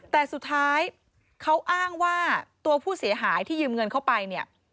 แต่สุดท้ายเขาอ้างว่าตัวผู้เสียหายที่ยืมเงินเข้าไปเนี่ย